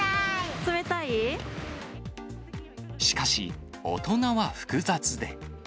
しかし、大人は複雑で。